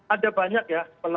ada banyak ya